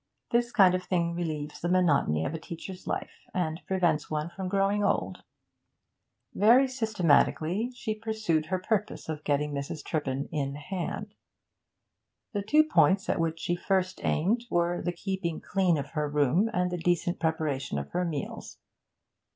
This kind of thing relieves the monotony of a teacher's life, and prevents one from growing old.' Very systematically she pursued her purpose of getting Mrs. Turpin 'in hand.' The two points at which she first aimed were the keeping clean of her room and the decent preparation of her meals.